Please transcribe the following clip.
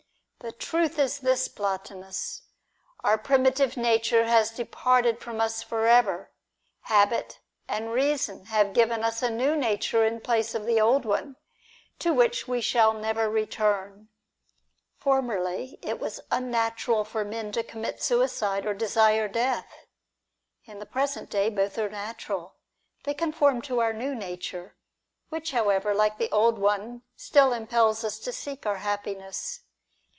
The truth is this, Plotinus. Our primitive nature has departed from us for ever. Habit and reason have given PLOTINUS AND PORPHYRIUS. 191 us a new nature in place of the old one, to which we shall never return. Formerly, it was unnatural for men to commit suicide, or desire death. In the present day, both are natural. They conform to our new nature, which however, like the old one, still impels us to seek our happiness.